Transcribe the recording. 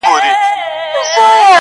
• ډېر له کیبره څخه ګوري و هوا ته,